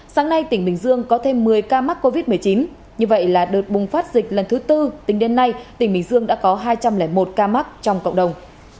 sáng nay tỉnh bình dương có thêm một mươi ca mắc covid một mươi chín như vậy là đợt bùng phát dịch lần thứ tư tính đến nay tỉnh bình dương đã có hai trăm linh một ca mắc trong cộng đồng